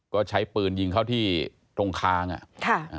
ก็ใช้ปืนยิงเขาที่ตรงคางอ่ะ